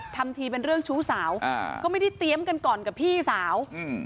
ทำทีเป็นเรื่องชู้สาวอ่าก็ไม่ได้เตรียมกันก่อนกับพี่สาวอืม